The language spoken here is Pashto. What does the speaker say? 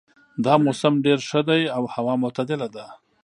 دا موسم ډېر ښه ده او هوا معتدله ده